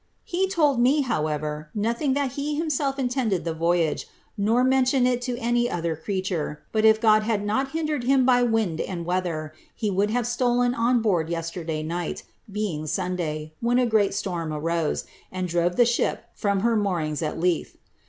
He told me, however, nothing that he himself intended the voyage, nor mentioned it to any other creature, but if God had not hindered him by wind and weather, he would have stolen on board yes teiday night, being Sunday, when a great storm arose, and drove the ship from her moorings at Leith.